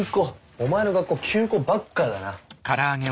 お前の学校休校ばっかだな。